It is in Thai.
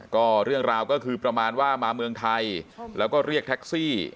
ก็เรื่องราวก็คือประมาณว่ามาเมืองไทยแล้วก็เรียกแท็กซี่